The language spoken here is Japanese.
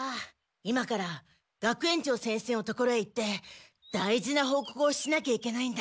今から学園長先生のところへ行って大事なほうこくをしなきゃいけないんだ。